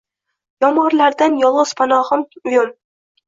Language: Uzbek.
Yomg‘irlardan yolg‘iz panohim, uyim